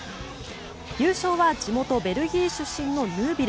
優勝は地元ベルギー出身のヌービル。